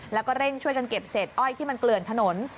แล้วก็เร่งช่วยกันเก็บเศษอ้อยที่มันเกลื่อนถนน